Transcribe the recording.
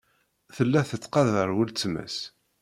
Tella tettqadar weltma-s.